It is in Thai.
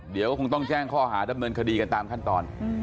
เดี๋ยวคงต้องแจ้งข้อหาดำเนินคดีกันตามขั้นตอน